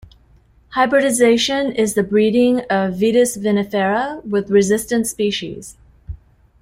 Hybridization is the breeding of "Vitis vinifera" with resistant species.